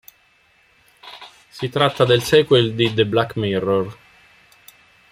Si tratta del sequel di "The Black Mirror".